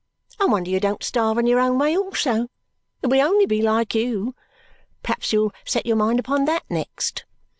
I wonder you don't starve in your own way also. It would only be like you. Perhaps you'll set your mind upon THAT next."